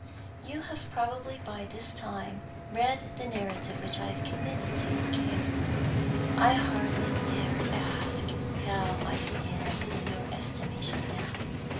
"You have probably by this time read the narrative which I have committed to your care. I hardly dare ask how I stand in your estimation now.